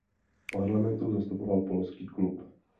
V parlamentu zastupoval Polský klub.